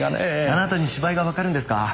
あなたに芝居がわかるんですか？